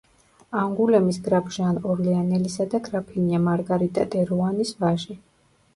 ანგულემის გრაფ ჟან ორლეანელისა და გრაფინია მარგარიტა დე როანის ვაჟი.